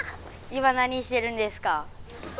今何してるんですか？